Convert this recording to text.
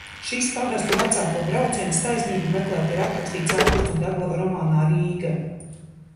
"Šis pagastu vecāko brauciens taisnību meklēt ir aprakstīts Augusta Deglava romānā "Rīga"."